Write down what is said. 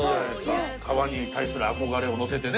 革に対する憧れを乗せてね。